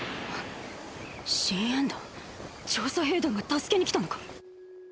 信煙弾⁉調査兵団が助けに来たのか！！